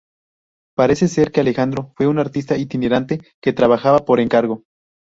Parece ser que Alejandro fue un artista itinerante que trabajaba por encargo.